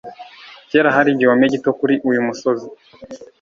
Kera hari igihome gito kuri uyu musozi.